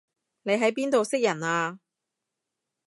你喺邊度識人啊